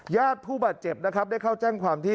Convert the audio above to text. ญาติผู้บาดเจ็บนะครับได้เข้าแจ้งความที่